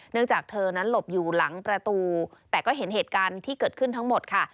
จากเธอนั้นหลบอยู่หลังประตูแต่ก็เห็นเหตุการณ์ที่เกิดขึ้นทั้งหมดค่ะ